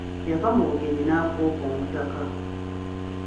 Yava mu bugenyi n'afuuka omutaka.